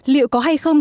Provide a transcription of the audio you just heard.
liệu có hay không